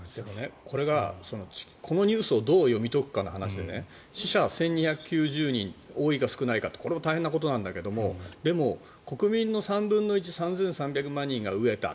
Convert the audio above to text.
これが、このニュースをどう読み解くかの話で死者１２９０人多いか、少ないかこれも大変なことなんだけど国民の３分の１３３００万人が飢えた。